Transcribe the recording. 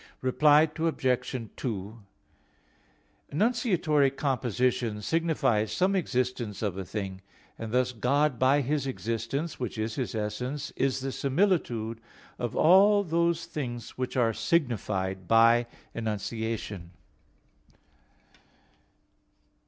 Reply Obj. 2: Enunciatory composition signifies some existence of a thing; and thus God by His existence, which is His essence, is the similitude of all those things which are signified by enunciation.